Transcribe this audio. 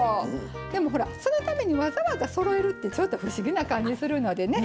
でもほらそのためにわざわざそろえるってちょっと不思議な感じするのでね。